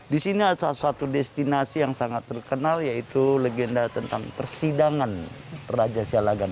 di sini ada satu destinasi yang sangat terkenal yaitu legenda tentang persidangan raja sialagan